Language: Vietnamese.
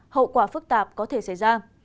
hậu quả phức tạp có thể xảy ra